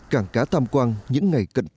cảng cá tàm quang những ngày cận tết